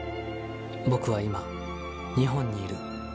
僕は今日本にいる。